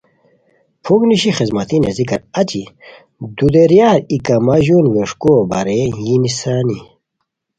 پُھک نیشی خسمتی نیزیکار اچی دودیریار ای کما ژون ویݰکو بارئیے یی نیسانی